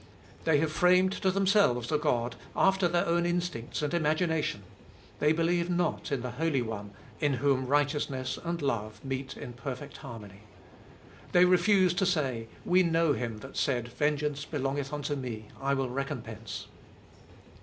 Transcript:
They have framed to themselves a God, after their own instincts and imagination ; they believe not in the Holy One in whom 408 Cbe Dolicst of 21U righteousness and love meet in perfect harmony. They refuse to say, We know Him that said, Vengeance belongeth unto Me, I will recompense.